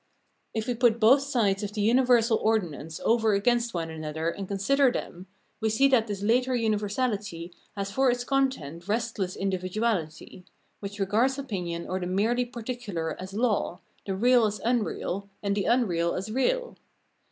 If we put both sides of the universal ordinance over against one another and consider them, we see that The Universal Ordinance 367 this later universaKty has for its content restless indi viduahty, which regards opinion or the merely par ticular as law, the real as unreal, and the unreal as real.